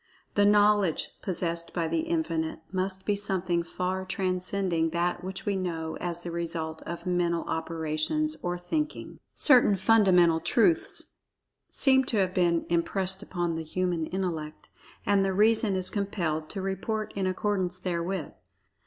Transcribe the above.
The "knowledge" possessed by The Infinite must be something far transcending that which we know as the result of "mental operations," or "thinking.") Certain fundamental truths seem to have been impressed upon the human intellect, and the reason is compelled to report in accordance therewith.